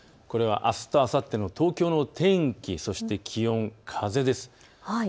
これはあすとあさっての東京の天気、そして気温、風です。